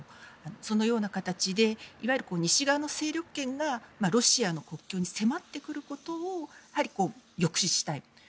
そのような形で西側の勢力圏がロシアの国境に迫ってくることを抑止したい。